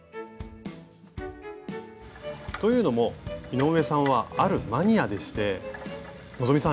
というのも井上さんはあるマニアでして希さん